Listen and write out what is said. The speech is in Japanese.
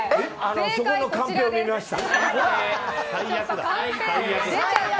そこのカンペを見ました。